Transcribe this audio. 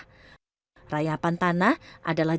rayapan tanah adalah jenis batu yang bergerak di kawasan pantai